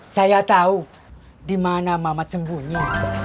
saya tahu dimana mamat sembunyi